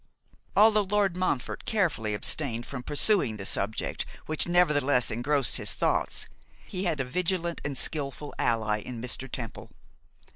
Although Lord Montfort carefully abstained from pursuing the subject which nevertheless engrossed his thoughts, he had a vigilant and skilful ally in Mr. Temple.